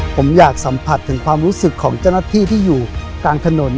ผมอยากสัมผัสถึงความรู้สึกของเจ้าหน้าที่ที่อยู่กลางถนน